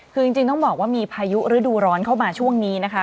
คือจริงต้องบอกว่ามีพายุฤดูร้อนเข้ามาช่วงนี้นะคะ